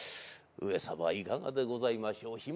上様いかがでございましょう。